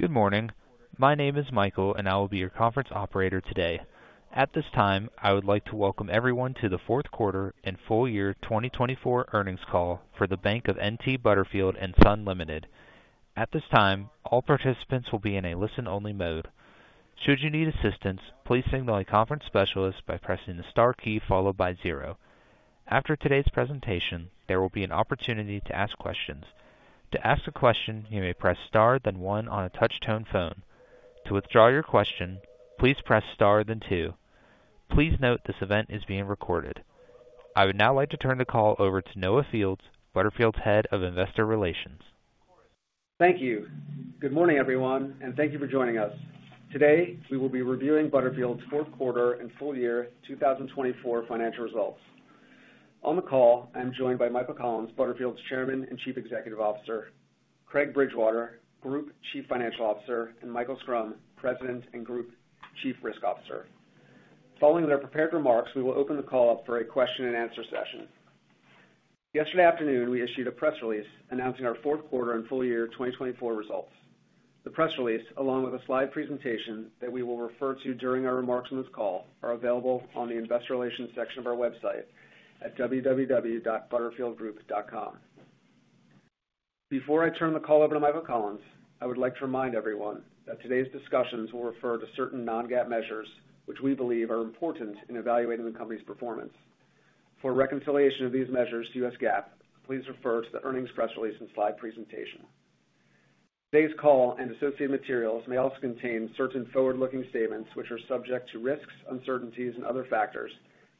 Good morning. My name is Michael, and I will be your conference operator today. At this time, I would like to welcome everyone to the Fourth Quarter and Full Year 2024 Earnings Call for the Bank of N.T. Butterfield & Son Limited. At this time, all participants will be in a listen-only mode. Should you need assistance, please signal a conference specialist by pressing the star key followed by zero. After today's presentation, there will be an opportunity to ask questions. To ask a question, you may press star, then one on a touch-tone phone. To withdraw your question, please press star, then two. Please note this event is being recorded. I would now like to turn the call over to Noah Fields, Butterfield's head of investor relations. Thank you. Good morning, everyone, and thank you for joining us. Today, we will be reviewing Butterfield's fourth quarter and full year 2024 financial results. On the call, I'm joined by Michael Collins, Butterfield's Chairman and Chief Executive Officer, Craig Bridgewater, Group Chief Financial Officer, and Michael Schrum, President and Group Chief Risk Officer. Following their prepared remarks, we will open the call up for a question-and-answer session. Yesterday afternoon, we issued a press release announcing our fourth quarter and full year 2024 results. The press release, along with a slide presentation that we will refer to during our remarks in this call, are available on the investor relations section of our website at www.butterfieldgroup.com. Before I turn the call over to Michael Collins, I would like to remind everyone that today's discussions will refer to certain non-GAAP measures, which we believe are important in evaluating the company's performance. For reconciliation of these measures to U.S. GAAP, please refer to the earnings press release and slide presentation. Today's call and associated materials may also contain certain forward-looking statements, which are subject to risks, uncertainties, and other factors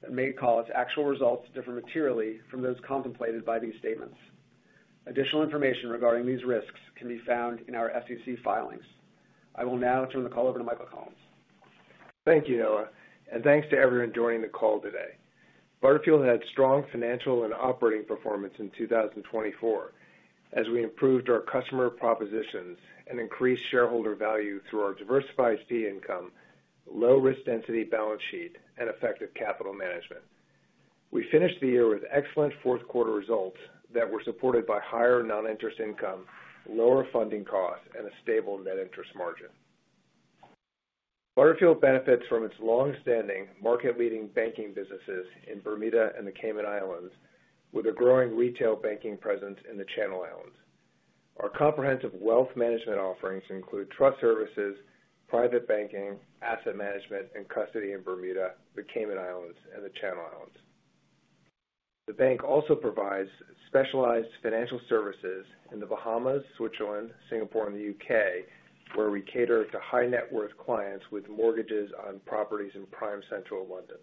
that may cause actual results to differ materially from those contemplated by these statements. Additional information regarding these risks can be found in our SEC filings. I will now turn the call over to Michael Collins. Thank you, Noah, and thanks to everyone joining the call today. Butterfield had strong financial and operating performance in 2024 as we improved our customer propositions and increased shareholder value through our diversified fee income, low-risk density balance sheet, and effective capital management. We finished the year with excellent fourth quarter results that were supported by higher non-interest income, lower funding costs, and a stable net interest margin. Butterfield benefits from its long-standing market-leading banking businesses in Bermuda and the Cayman Islands, with a growing retail banking presence in the Channel Islands. Our comprehensive wealth management offerings include trust services, private banking, asset management, and custody in Bermuda, the Cayman Islands, and the Channel Islands. The bank also provides specialized financial services in the Bahamas, Switzerland, Singapore, and the U.K., where we cater to high-net-worth clients with mortgages on properties in prime central London.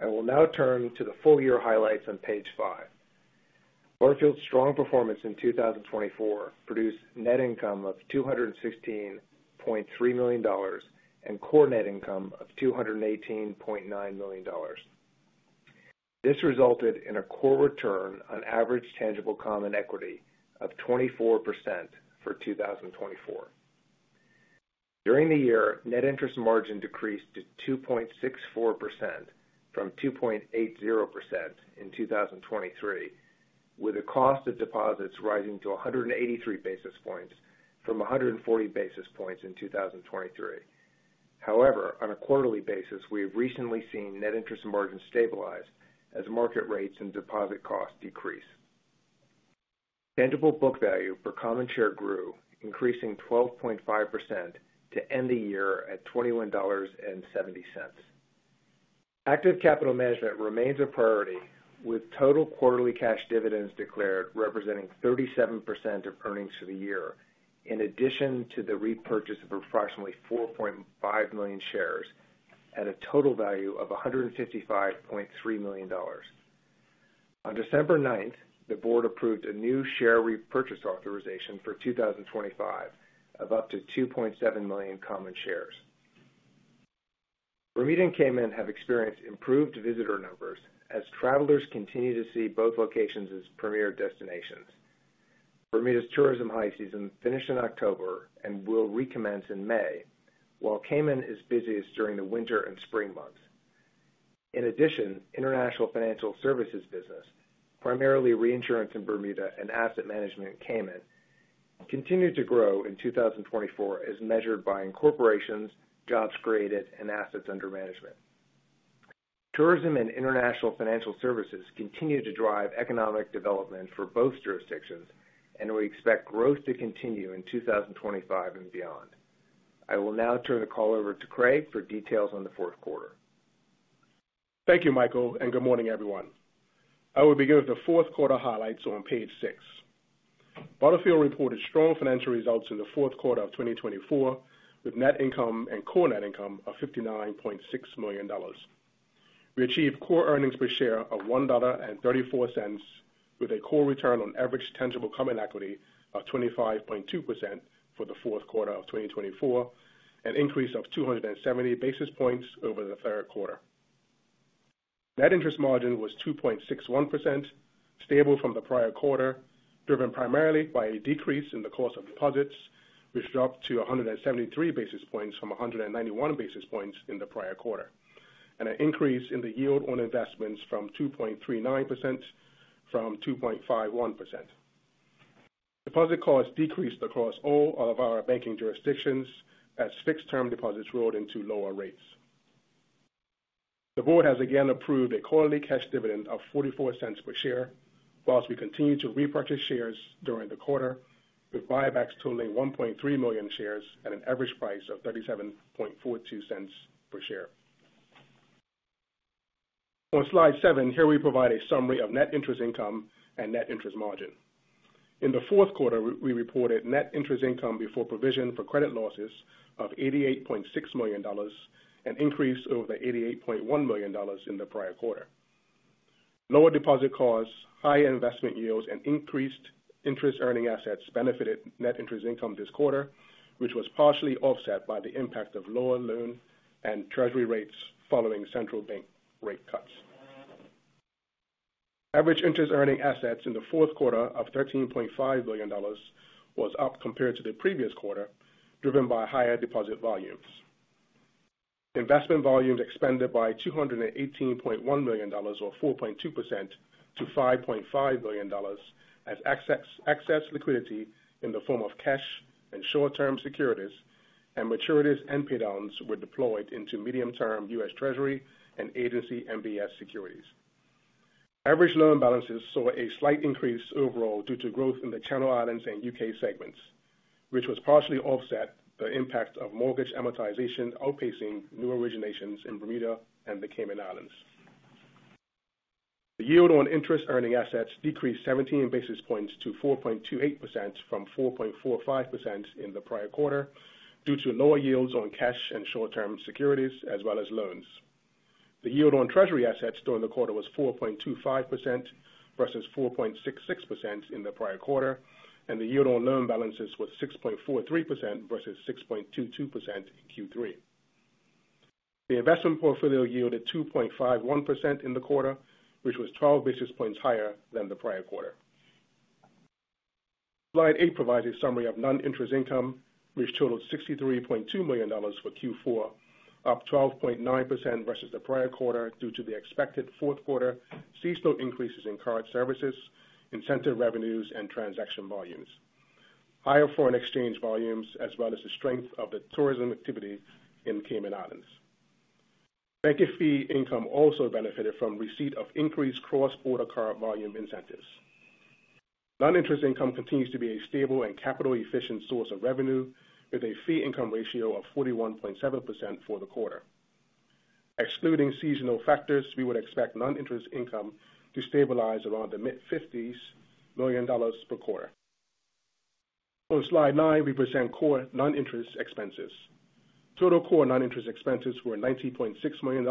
I will now turn to the full year highlights on page five. Butterfield's strong performance in 2024 produced net income of $216.3 million and core net income of $218.9 million. This resulted in a core return on average tangible common equity of 24% for 2024. During the year, net interest margin decreased to 2.64% from 2.80% in 2023, with the cost of deposits rising to 183 basis points from 140 basis points in 2023. However, on a quarterly basis, we have recently seen net interest margins stabilize as market rates and deposit costs decrease. Tangible book value per common share grew, increasing 12.5% to end the year at $21.70. Active capital management remains a priority, with total quarterly cash dividends declared representing 37% of earnings for the year, in addition to the repurchase of approximately 4.5 million shares at a total value of $155.3 million. On December 9th, the board approved a new share repurchase authorization for 2025 of up to 2.7 million common shares. Bermuda and Cayman have experienced improved visitor numbers as travelers continue to see both locations as premier destinations. Bermuda's tourism high season finished in October and will recommence in May, while Cayman is busiest during the winter and spring months. In addition, international financial services business, primarily reinsurance in Bermuda and asset management in Cayman, continued to grow in 2024 as measured by incorporations, jobs created, and assets under management. Tourism and international financial services continue to drive economic development for both jurisdictions, and we expect growth to continue in 2025 and beyond. I will now turn the call over to Craig for details on the fourth quarter. Thank you, Michael, and good morning, everyone. I will begin with the fourth quarter highlights on page six. Butterfield reported strong financial results in the fourth quarter of 2024, with net income and core net income of $59.6 million. We achieved core earnings per share of $1.34, with a core return on average tangible common equity of 25.2% for the fourth quarter of 2024, an increase of 270 basis points over the third quarter. Net interest margin was 2.61%, stable from the prior quarter, driven primarily by a decrease in the cost of deposits, which dropped to 173 basis points from 191 basis points in the prior quarter, and an increase in the yield on investments from 2.39% to 2.51%. Deposit costs decreased across all of our banking jurisdictions as fixed-term deposits rolled into lower rates. The board has again approved a quarterly cash dividend of $0.44 per share, while we continue to repurchase shares during the quarter, with buybacks totaling 1.3 million shares at an average price of $0.3742 per share. On slide seven, here we provide a summary of net interest income and net interest margin. In the fourth quarter, we reported net interest income before provision for credit losses of $88.6 million and increased over the $88.1 million in the prior quarter. Lower deposit costs, higher investment yields, and increased interest-earning assets benefited net interest income this quarter, which was partially offset by the impact of lower loan and treasury rates following central bank rate cuts. Average interest-earning assets in the fourth quarter of $13.5 billion was up compared to the previous quarter, driven by higher deposit volumes. Investment volumes expanded by $218.1 million, or 4.2%, to $5.5 billion, as excess liquidity in the form of cash and short-term securities, and maturities and paydowns were deployed into medium-term U.S. Treasury and Agency MBS securities. Average loan balances saw a slight increase overall due to growth in the Channel Islands and U.K. segments, which was partially offset by the impact of mortgage amortization outpacing new originations in Bermuda and the Cayman Islands. The yield on interest-earning assets decreased 17 basis points to 4.28% from 4.45% in the prior quarter due to lower yields on cash and short-term securities as well as loans. The yield on treasury assets during the quarter was 4.25% versus 4.66% in the prior quarter, and the yield on loan balances was 6.43% versus 6.22% in Q3. The investment portfolio yielded 2.51% in the quarter, which was 12 basis points higher than the prior quarter. Slide eight provides a summary of non-interest income, which totaled $63.2 million for Q4, up 12.9% versus the prior quarter due to the expected fourth quarter seasonal increases in custody services, incentive revenues, and transaction volumes, higher foreign exchange volumes, as well as the strength of the tourism activity in the Cayman Islands. Banking fee income also benefited from receipt of increased cross-border card volume incentives. Non-interest income continues to be a stable and capital-efficient source of revenue, with a fee-income ratio of 41.7% for the quarter. Excluding seasonal factors, we would expect non-interest income to stabilize around the mid-$50 million per quarter. On slide nine, we present core non-interest expenses. Total core non-interest expenses were $90.6 million,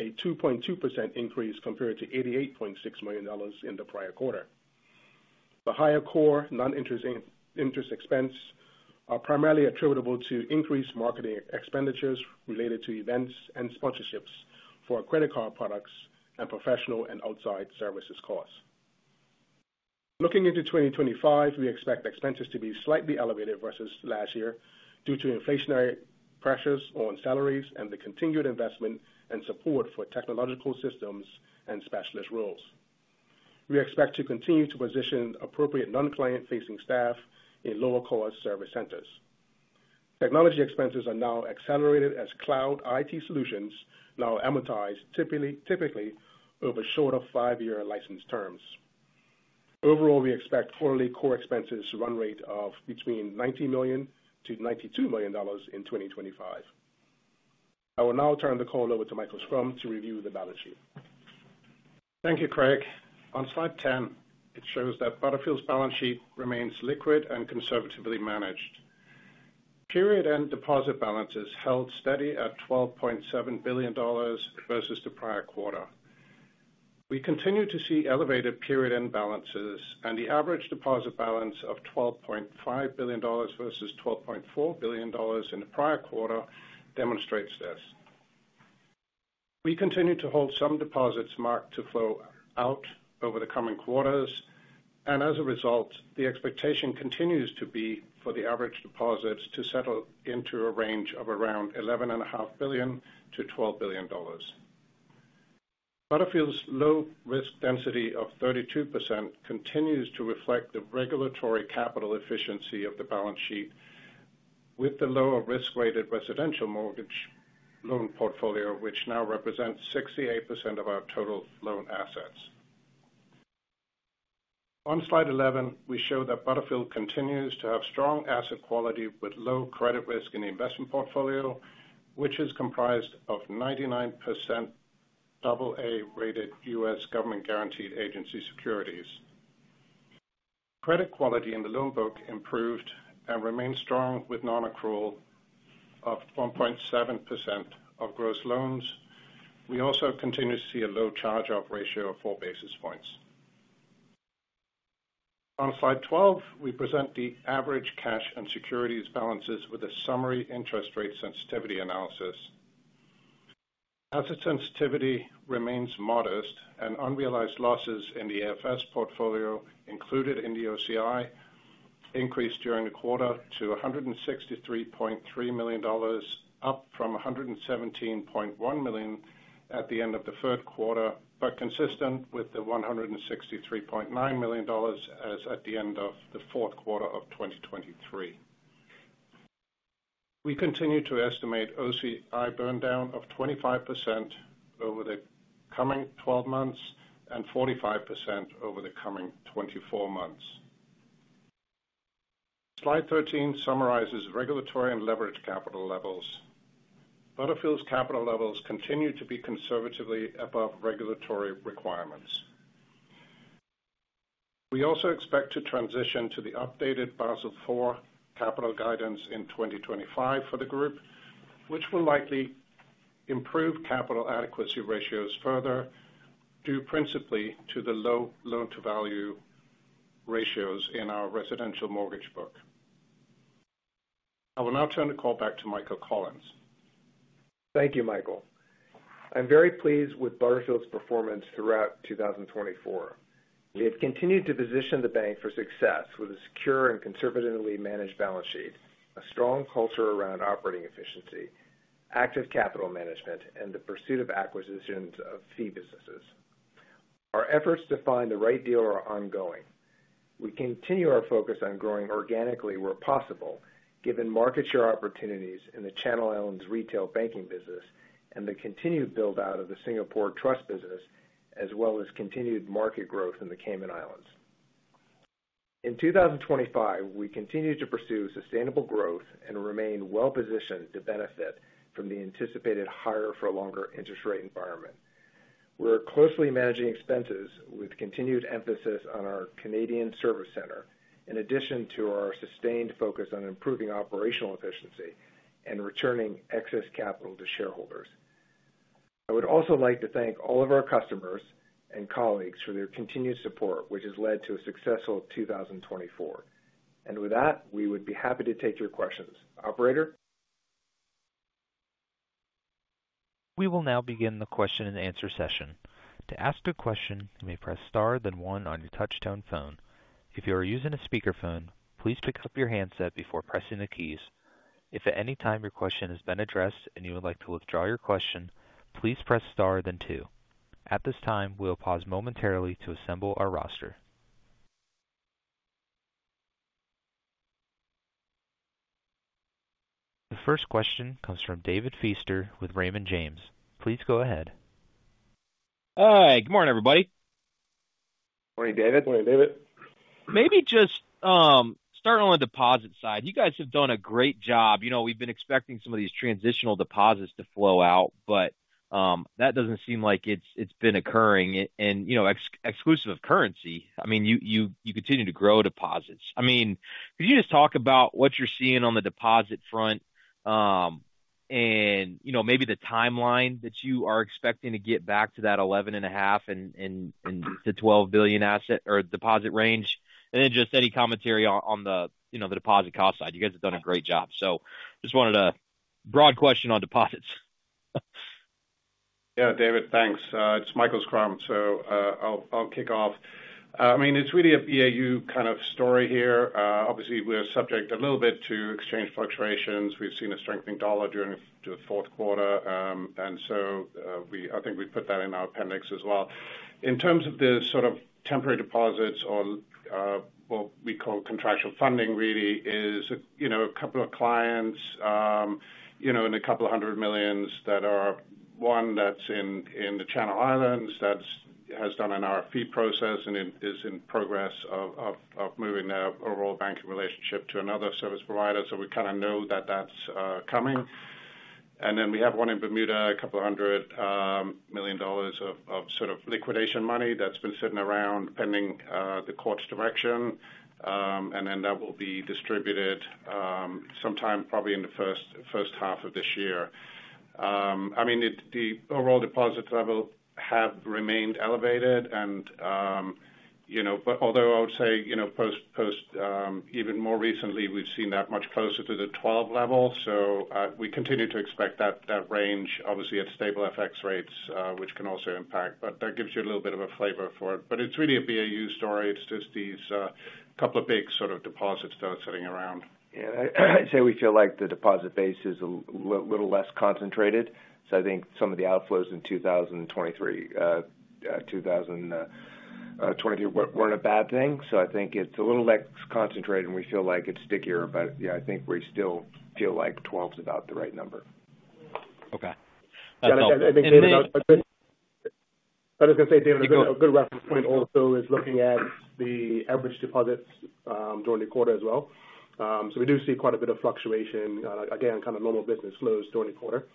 a 2.2% increase compared to $88.6 million in the prior quarter. The higher core non-interest expenses are primarily attributable to increased marketing expenditures related to events and sponsorships for credit card products and professional and outside services costs. Looking into 2025, we expect expenses to be slightly elevated versus last year due to inflationary pressures on salaries and the continued investment and support for technological systems and specialist roles. We expect to continue to position appropriate non-client-facing staff in lower-cost service centers. Technology expenses are now accelerated as cloud IT solutions now amortized typically over shorter five-year license terms. Overall, we expect quarterly core expenses run rate of between $90 million to $92 million in 2025. I will now turn the call over to Michael Schrum to review the balance sheet. Thank you, Craig. On slide 10, it shows that Butterfield's balance sheet remains liquid and conservatively managed. Period-end deposit balances held steady at $12.7 billion versus the prior quarter. We continue to see elevated period-end balances, and the average deposit balance of $12.5 billion versus $12.4 billion in the prior quarter demonstrates this. We continue to hold some deposits marked to flow out over the coming quarters, and as a result, the expectation continues to be for the average deposits to settle into a range of around $11.5 billion-$12 billion. Butterfield's low risk density of 32% continues to reflect the regulatory capital efficiency of the balance sheet, with the lower risk-weighted residential mortgage loan portfolio, which now represents 68% of our total loan assets. On slide 11, we show that Butterfield continues to have strong asset quality with low credit risk in the investment portfolio, which is comprised of 99% AA-rated U.S. government-guaranteed agency securities. Credit quality in the loan book improved and remained strong with non-accrual of 1.7% of gross loans. We also continue to see a low charge-off ratio of four basis points. On slide 12, we present the average cash and securities balances with a summary interest rate sensitivity analysis. Asset sensitivity remains modest, and unrealized losses in the AFS portfolio included in the OCI increased during the quarter to $163.3 million, up from $117.1 million at the end of the third quarter, but consistent with the $163.9 million as at the end of the fourth quarter of 2023. We continue to estimate OCI burndown of 25% over the coming 12 months and 45% over the coming 24 months. Slide 13 summarizes regulatory and leveraged capital levels. Butterfield's capital levels continue to be conservatively above regulatory requirements. We also expect to transition to the updated Basel IV capital guidance in 2025 for the group, which will likely improve capital adequacy ratios further due principally to the low loan-to-value ratios in our residential mortgage book. I will now turn the call back to Michael Collins. Thank you, Michael. I'm very pleased with Butterfield's performance throughout 2024. We have continued to position the bank for success with a secure and conservatively managed balance sheet, a strong culture around operating efficiency, active capital management, and the pursuit of acquisitions of fee businesses. Our efforts to find the right dealer are ongoing. We continue our focus on growing organically where possible, given market share opportunities in the Channel Islands retail banking business and the continued build-out of the Singapore trust business, as well as continued market growth in the Cayman Islands. In 2025, we continue to pursue sustainable growth and remain well-positioned to benefit from the anticipated higher-for-longer interest rate environment. We're closely managing expenses with continued emphasis on our Canadian service center, in addition to our sustained focus on improving operational efficiency and returning excess capital to shareholders. I would also like to thank all of our customers and colleagues for their continued support, which has led to a successful 2024. And with that, we would be happy to take your questions. Operator? We will now begin the question-and-answer session. To ask a question, you may press star then one on your touch-tone phone. If you are using a speakerphone, please pick up your handset before pressing the keys. If at any time your question has been addressed and you would like to withdraw your question, please press star then two. At this time, we'll pause momentarily to assemble our roster. The first question comes from David Feaster with Raymond James. Please go ahead. Hi. Good morning, everybody. Morning, David. Morning, David. Maybe just starting on the deposit side, you guys have done a great job. We've been expecting some of these transitional deposits to flow out, but that doesn't seem like it's been occurring, exclusive of currency. I mean, you continue to grow deposits. I mean, could you just talk about what you're seeing on the deposit front and maybe the timeline that you are expecting to get back to that $11.5 billion-$12 billion asset or deposit range? And then just any commentary on the deposit cost side. You guys have done a great job. So just wanted a broad question on deposits. Yeah, David, thanks. It's Michael Schrum, so I'll kick off. I mean, it's really a BAU kind of story here. Obviously, we're subject a little bit to exchange fluctuations. We've seen a strengthening dollar during the fourth quarter, and so I think we put that in our appendix as well. In terms of the sort of temporary deposits on what we call contractual funding, really, is a couple of clients in a couple of hundred million that are one that's in the Channel Islands that has done an RFP process and is in progress of moving their overall banking relationship to another service provider. So we kind of know that that's coming. And then we have one in Bermuda, $200 million of sort of liquidation money that's been sitting around pending the court's direction, and then that will be distributed sometime probably in the first half of this year. I mean, the overall deposit level has remained elevated, but although I would say post, even more recently, we've seen that much closer to the 12 level. So we continue to expect that range, obviously, at stable FX rates, which can also impact, but that gives you a little bit of a flavor for it. But it's really a BAU story. It's just these couple of big sort of deposits that are sitting around. Yeah. I'd say we feel like the deposit base is a little less concentrated. So I think some of the outflows in 2023 weren't a bad thing. So I think it's a little less concentrated, and we feel like it's stickier, but yeah, I think we still feel like 12 is about the right number. Okay. I was going to say, David, a good reference point also is looking at the average deposits during the quarter as well. So we do see quite a bit of fluctuation, again, kind of normal business flows during the quarter.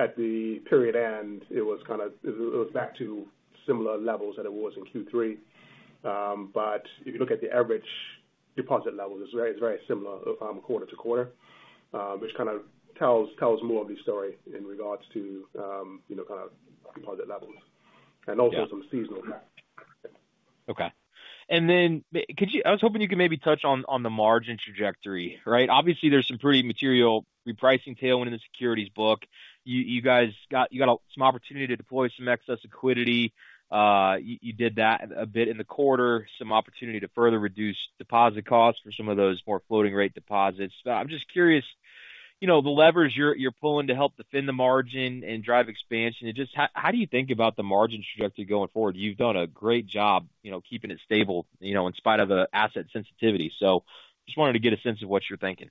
At the period end, it was kind of back to similar levels that it was in Q3. But if you look at the average deposit level, it's very similar quarter to quarter, which kind of tells more of the story in regards to kind of deposit levels and also some seasonal gaps. Okay. And then I was hoping you could maybe touch on the margin trajectory, right? Obviously, there's some pretty material repricing tailwind in the securities book. You got some opportunity to deploy some excess liquidity. You did that a bit in the quarter, some opportunity to further reduce deposit costs for some of those more floating-rate deposits. But I'm just curious, the levers you're pulling to help defend the margin and drive expansion, how do you think about the margin trajectory going forward? You've done a great job keeping it stable in spite of the asset sensitivity. So just wanted to get a sense of what you're thinking.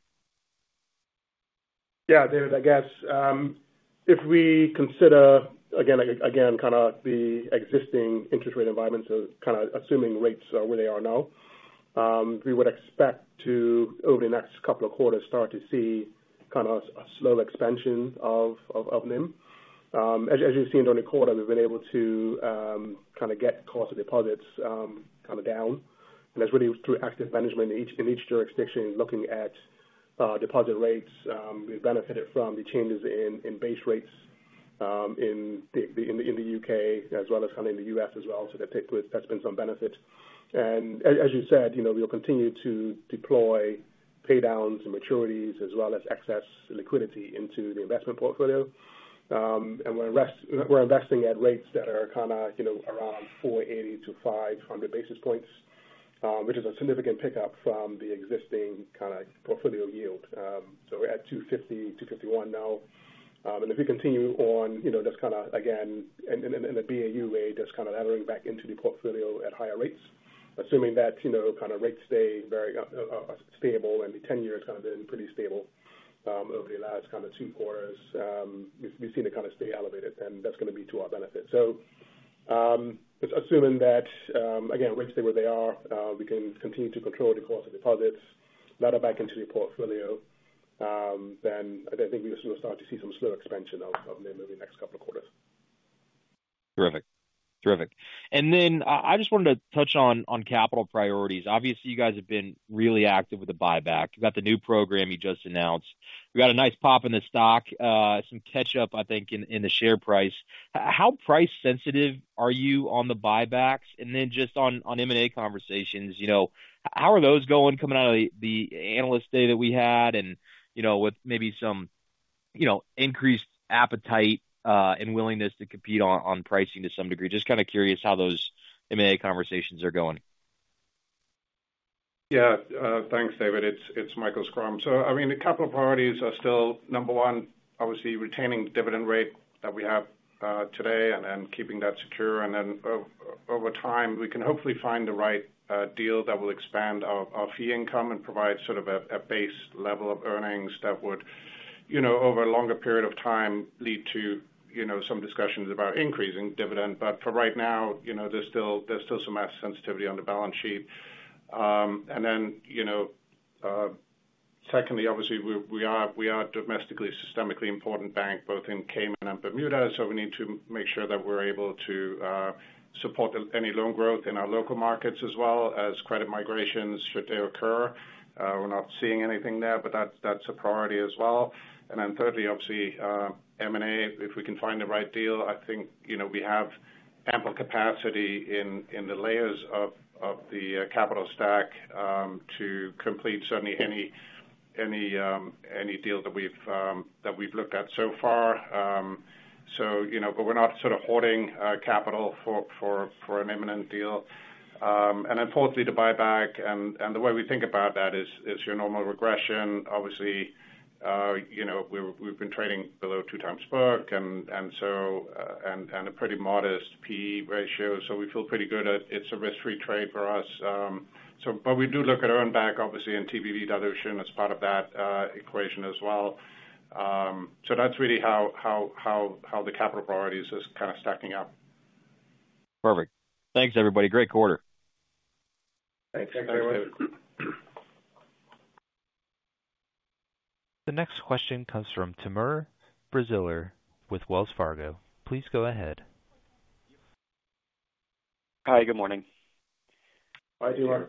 Yeah, David, I guess if we consider, again, kind of the existing interest rate environment, so kind of assuming rates are where they are now, we would expect to, over the next couple of quarters, start to see kind of a slow expansion of NIM. As you've seen during the quarter, we've been able to kind of get cost of deposits kind of down. And that's really through active management in each jurisdiction looking at deposit rates. We've benefited from the changes in base rates in the U.K. as well as kind of in the U.S. as well. So that's been some benefit. And as you said, we'll continue to deploy paydowns and maturities as well as excess liquidity into the investment portfolio. And we're investing at rates that are kind of around 480-500 basis points, which is a significant pickup from the existing kind of portfolio yield. So we're at 250-251 now. And if we continue on, that's kind of, again, in a BAU way, that's kind of levering back into the portfolio at higher rates, assuming that kind of rates stay very stable and the 10-year has kind of been pretty stable over the last kind of two quarters. We've seen it kind of stay elevated, and that's going to be to our benefit. So assuming that, again, rates stay where they are, we can continue to control the cost of deposits, level back into the portfolio, then I think we will start to see some slow expansion of NIM over the next couple of quarters. Terrific. Terrific. And then I just wanted to touch on capital priorities. Obviously, you guys have been really active with the buyback. You've got the new program you just announced. We've got a nice pop in the stock, some catch-up, I think, in the share price. How price-sensitive are you on the buybacks? And then just on M&A conversations, how are those going coming out of the analyst day that we had and with maybe some increased appetite and willingness to compete on pricing to some degree? Just kind of curious how those M&A conversations are going? Yeah. Thanks, David. It's Michael Schrum. So I mean, the capital priorities are still number one, obviously, retaining the dividend rate that we have today and then keeping that secure. And then over time, we can hopefully find the right deal that will expand our fee income and provide sort of a base level of earnings that would, over a longer period of time, lead to some discussions about increasing dividend. But for right now, there's still some asset sensitivity on the balance sheet. And then secondly, obviously, we are a domestically systemically important bank, both in Cayman and Bermuda. So we need to make sure that we're able to support any loan growth in our local markets as well as credit migrations should they occur. We're not seeing anything there, but that's a priority as well. And then, thirdly, obviously, M&A, if we can find the right deal, I think we have ample capacity in the layers of the capital stack to complete certainly any deal that we've looked at so far. But we're not sort of hoarding capital for an imminent deal. And then, fourthly, the buyback and the way we think about that is your normal regression. Obviously, we've been trading below two times book and a pretty modest PE ratio. So we feel pretty good. It's a risk-free trade for us. But we do look at earnback, obviously, and TBV dilution as part of that equation as well. So that's really how the capital priorities are kind of stacking up. Perfect. Thanks, everybody. Great quarter. Thanks. Thanks, David. The next question comes from Timur Braziler with Wells Fargo. Please go ahead. Hi, good morning. Hi, Timur.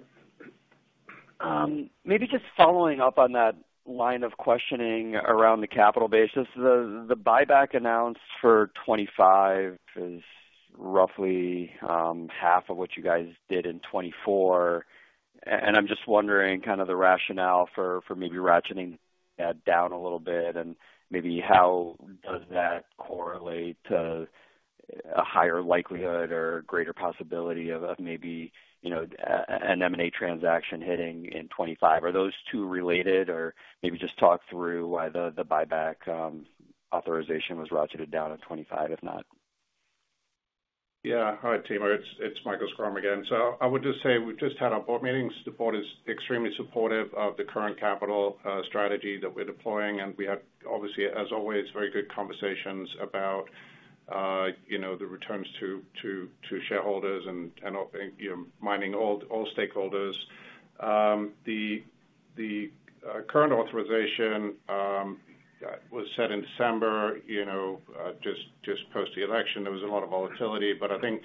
Maybe just following up on that line of questioning around the capital base, the buyback announced for 2025 is roughly half of what you guys did in 2024. And I'm just wondering kind of the rationale for maybe ratcheting that down a little bit and maybe how does that correlate to a higher likelihood or greater possibility of maybe an M&A transaction hitting in 2025? Are those two related, or maybe just talk through why the buyback authorization was ratcheted down in 2025, if not? Yeah. Hi, Timur. It's Michael Schrum again. So I would just say we've just had our board meetings. The board is extremely supportive of the current capital strategy that we're deploying, and we have, obviously, as always, very good conversations about the returns to shareholders and mindful of all stakeholders. The current authorization was set in December, just post-election. There was a lot of volatility, but I think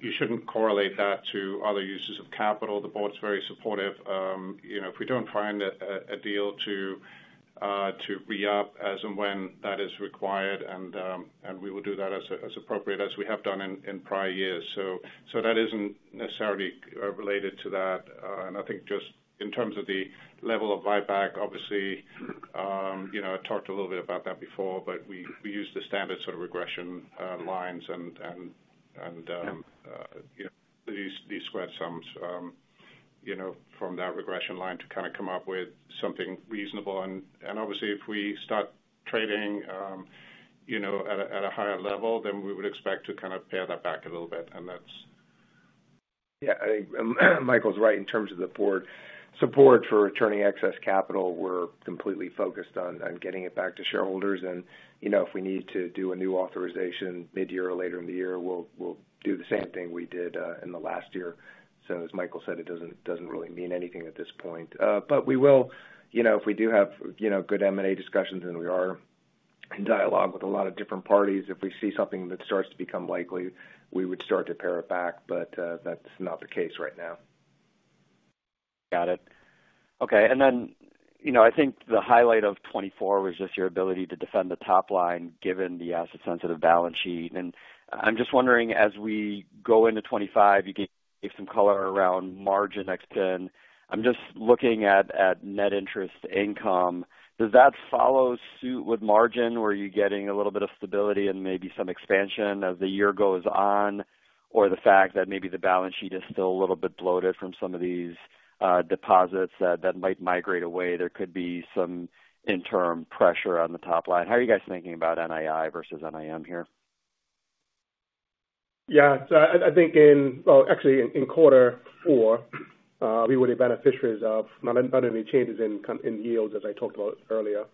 you shouldn't correlate that to other uses of capital. The board's very supportive. If we don't find a deal to re-up as and when that is required, and we will do that as appropriate as we have done in prior years, so that isn't necessarily related to that. And I think, just in terms of the level of buyback, obviously, I talked a little bit about that before, but we use the standard sort of regression lines and these squared sums from that regression line to kind of come up with something reasonable. And obviously, if we start trading at a higher level, then we would expect to kind of pare that back a little bit. And that's. Yeah. I think Michael's right in terms of the board's support for returning excess capital. We're completely focused on getting it back to shareholders. And if we need to do a new authorization mid-year or later in the year, we'll do the same thing we did in the last year. So as Michael said, it doesn't really mean anything at this point. But we will, if we do have good M&A discussions, and we are in dialogue with a lot of different parties, if we see something that starts to become likely, we would start to pare it back. But that's not the case right now. Got it. Okay. And then I think the highlight of 2024 was just your ability to defend the top line given the asset-sensitive balance sheet. And I'm just wondering, as we go into 2025, you gave some color around margin next year. I'm just looking at net interest income. Does that follow suit with margin? Were you getting a little bit of stability and maybe some expansion as the year goes on, or the fact that maybe the balance sheet is still a little bit bloated from some of these deposits that might migrate away? There could be some interim pressure on the top line. How are you guys thinking about NII versus NIM here? Yeah. So I think, well, actually, in quarter four, we were the beneficiaries of not only changes in yields, as I talked about earlier,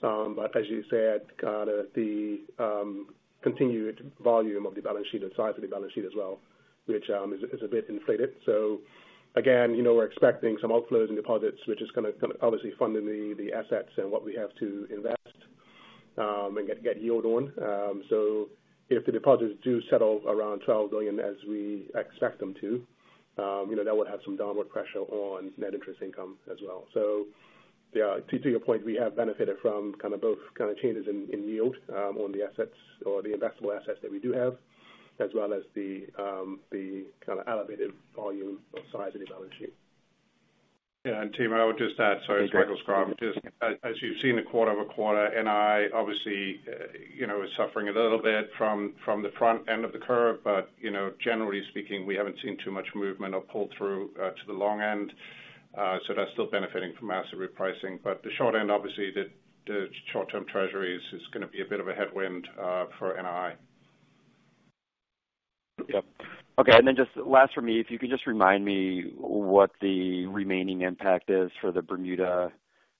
but as you said, kind of the continued volume of the balance sheet and size of the balance sheet as well, which is a bit inflated. So again, we're expecting some outflows and deposits, which is going to obviously fund the assets and what we have to invest and get yield on. So if the deposits do settle around $12 billion as we expect them to, that would have some downward pressure on net interest income as well. So yeah, to your point, we have benefited from kind of both kind of changes in yield on the assets or the investable assets that we do have, as well as the kind of elevated volume or size of the balance sheet. Yeah. Timur, I would just add, sorry, as Michael Schrum, as you've seen the quarter over quarter, NII obviously is suffering a little bit from the front end of the curve, but generally speaking, we haven't seen too much movement or pull-through to the long end. So that's still benefiting from asset repricing. But the short end, obviously, the short-term treasuries is going to be a bit of a headwind for NII. Yep. Okay. And then just last for me, if you could just remind me what the remaining impact is for the Bermuda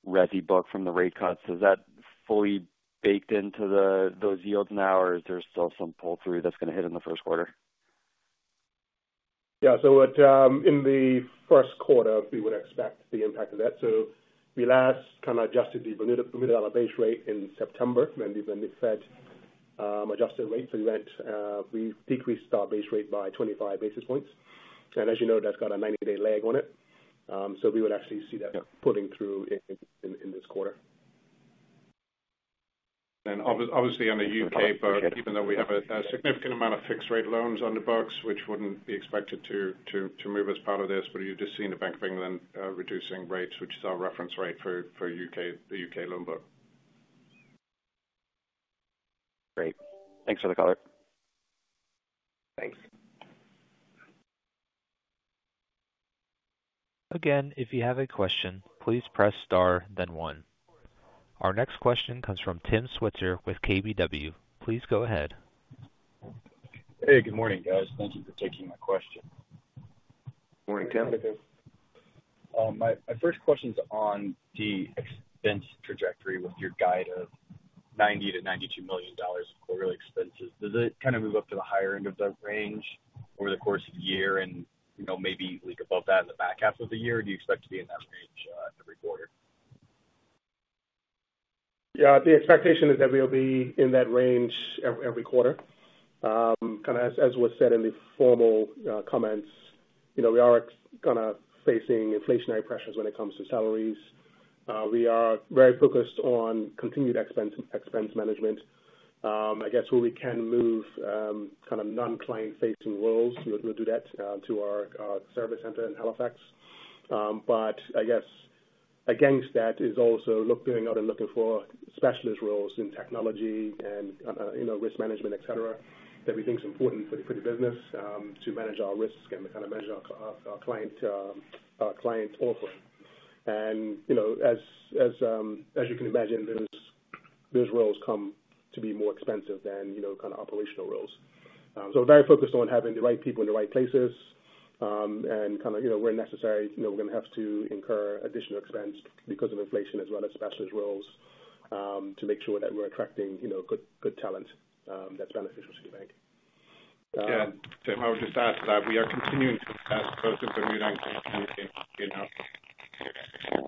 Resi book from the rate cuts? Is that fully baked into those yields now, or is there still some pull-through that's going to hit in the first quarter? Yeah. So in the first quarter, we would expect the impact of that. So we last kind of adjusted the Bermuda base rate in September, and then the Fed adjusted rates event. We've decreased our base rate by 25 basis points. And as you know, that's got a 90-day lag on it. So we would actually see that pulling through in this quarter. Obviously, on the U.K. book, even though we have a significant amount of fixed-rate loans on the books, which wouldn't be expected to move as part of this, but you're just seeing the Bank of England reducing rates, which is our reference rate for the U.K. loan book. Great. Thanks for the color. Thanks. Again, if you have a question, please press star, then one. Our next question comes from Tim Switzer with KBW. Please go ahead. Hey, good morning, guys. Thank you for taking my question. Morning, Tim. My first question is on the expense trajectory with your guide of $90 million-$92 million of quarterly expenses. Does it kind of move up to the higher end of that range over the course of the year and maybe leak above that in the back half of the year? Do you expect to be in that range every quarter? Yeah. The expectation is that we'll be in that range every quarter. Kind of as was said in the formal comments, we are kind of facing inflationary pressures when it comes to salaries. We are very focused on continued expense management. I guess where we can move kind of non-client-facing roles, we'll do that to our service center in Halifax. But I guess against that is also looking out and looking for specialist roles in technology and risk management, etc., that we think is important for the business to manage our risks and kind of manage our client offering. And as you can imagine, those roles come to be more expensive than kind of operational roles. So we're very focused on having the right people in the right places. And kind of where necessary, we're going to have to incur additional expense because of inflation as well as specialist roles to make sure that we're attracting good talent that's beneficial to the bank. Tim, I would just add that we are continuing to invest both in Bermuda and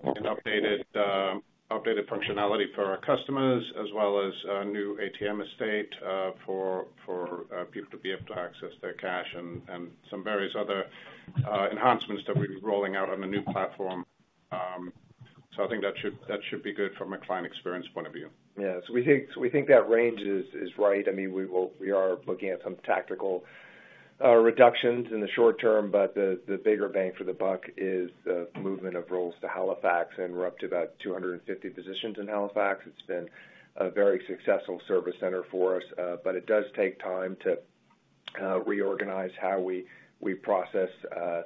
continuing to update functionality for our customers, as well as new ATM estate for people to be able to access their cash and some various other enhancements that we're rolling out on a new platform. So I think that should be good from a client experience point of view. Yeah. So we think that range is right. I mean, we are looking at some tactical reductions in the short term, but the bigger bang for the buck is the movement of roles to Halifax. And we're up to about 250 positions in Halifax. It's been a very successful service center for us, but it does take time to reorganize how we process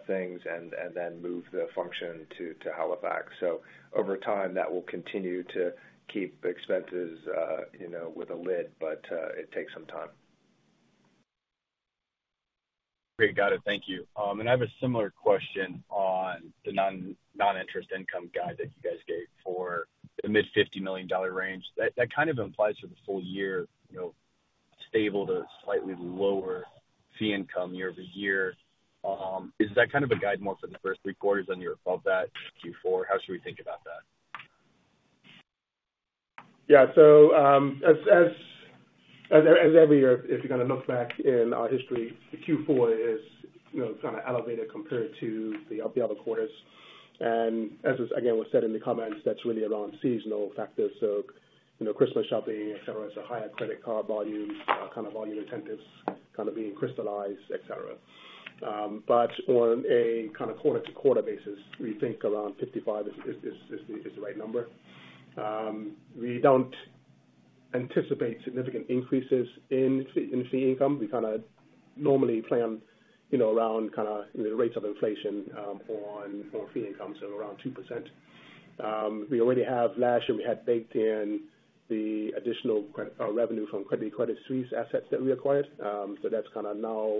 things and then move the function to Halifax. So over time, that will continue to keep a lid on expenses, but it takes some time. Great. Got it. Thank you. And I have a similar question on the non-interest income guide that you guys gave for the mid-$50 million range. That kind of implies for the full year, stable to slightly lower fee income year over year. Is that kind of a guide more for the first three quarters than you're above that? Q4? How should we think about that? Yeah. So as every year, if you're going to look back in our history, Q4 is kind of elevated compared to the other quarters. And as again was said in the comments, that's really around seasonal factors. So Christmas shopping, etc., so higher credit card volumes, kind of volume incentives kind of being crystallized, etc. But on a kind of quarter-to-quarter basis, we think around 55 is the right number. We don't anticipate significant increases in fee income. We kind of normally plan around kind of the rates of inflation on fee income, so around 2%. We already have last year, we had baked in the additional revenue from Credit Suisse assets that we acquired. So that's kind of now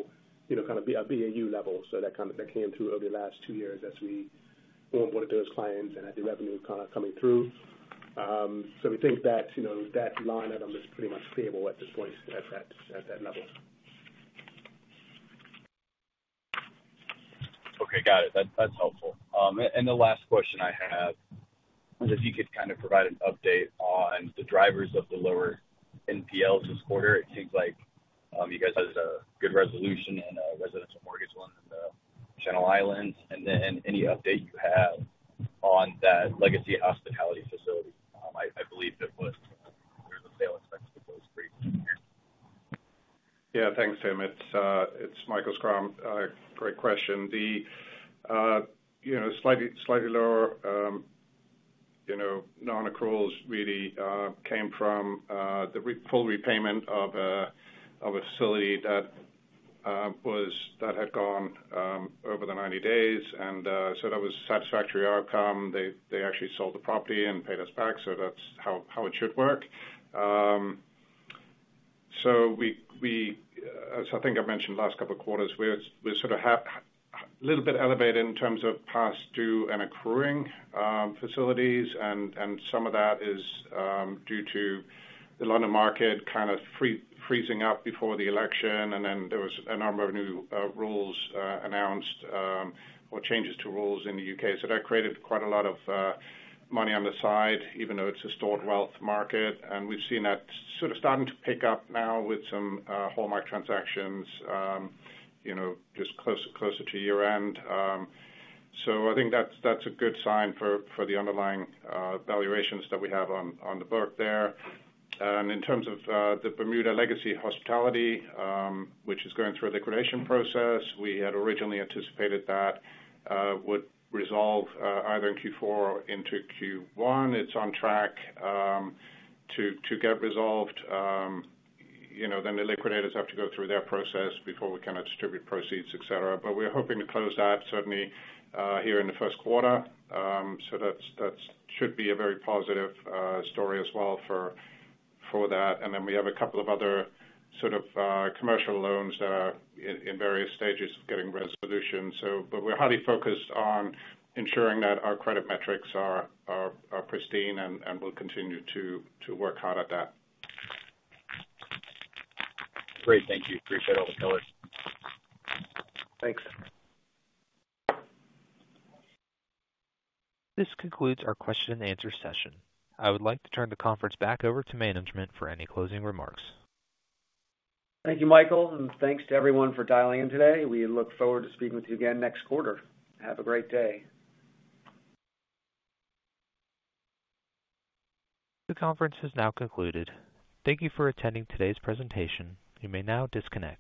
kind of BAU level. So that came through over the last two years as we onboarded those clients and had the revenue kind of coming through. We think that line item is pretty much stable at this point at that level. Okay. Got it. That's helpful. And the last question I have is if you could kind of provide an update on the drivers of the lower NPLs this quarter. It seems like you guys had a good resolution in a residential mortgage loan in the Channel Islands. And then any update you have on that legacy hospitality facility? I believe there's a sale expected to close for you. Yeah. Thanks, Tim. It's Michael Schrum. Great question. The slightly lower non-accruals really came from the full repayment of a facility that had gone over the 90 days, and so that was a satisfactory outcome. They actually sold the property and paid us back, so that's how it should work, so I think I mentioned last couple of quarters, we're sort of a little bit elevated in terms of past due and accruing facilities, and some of that is due to the London market kind of freezing up before the election, and then there was a number of new rules announced or changes to rules in the U.K. So that created quite a lot of money on the side, even though it's a stale wealth market. And we've seen that sort of starting to pick up now with some hallmark transactions just closer to year-end. So I think that's a good sign for the underlying valuations that we have on the book there. And in terms of the Bermuda legacy hospitality, which is going through a liquidation process, we had originally anticipated that would resolve either in Q4 or into Q1. It's on track to get resolved. Then the liquidators have to go through their process before we can distribute proceeds, etc. But we're hoping to close that certainly here in the first quarter. So that should be a very positive story as well for that. And then we have a couple of other sort of commercial loans that are in various stages of getting resolution. But we're highly focused on ensuring that our credit metrics are pristine and will continue to work hard at that. Great. Thank you. Appreciate all the colors. Thanks. This concludes our question-and-answer session. I would like to turn the conference back over to management for any closing remarks. Thank you, Michael, and thanks to everyone for dialing in today. We look forward to speaking with you again next quarter. Have a great day. The conference has now concluded. Thank you for attending today's presentation. You may now disconnect.